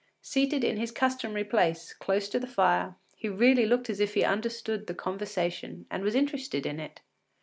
Seated in his customary place, close to the fire, he really looked as if he understood the conversation and was interested in it.